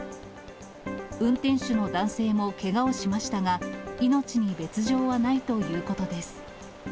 運転手の男性もけがをしましたが、命に別状はないということです。